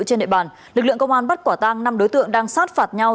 trên địa bàn lực lượng công an bắt quả tăng năm đối tượng đang sát phạt nhau